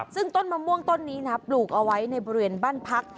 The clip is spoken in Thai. ซึ่งต้นมะม่วงต้นนี้นะปลูกเอาไว้ในบริเวณบ้านพัก